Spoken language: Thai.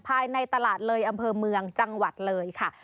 ภายในตลาดเลยอำเภอเมืองจังหวัดเลยค่ะ